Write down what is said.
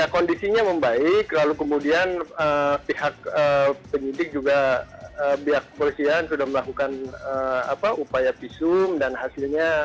kondisinya membaik lalu kemudian pihak penyidik juga pihak polisian sudah melakukan upaya visum dan hasilnya